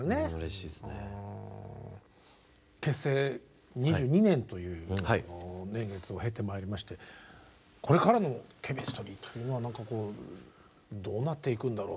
結成２２年という年月を経てまいりましてこれからのＣＨＥＭＩＳＴＲＹというのはどうなっていくんだろう。